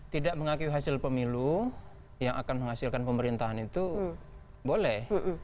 tidak mengakui hasil pemilu yang akan menghasilkan pemerintahan itu boleh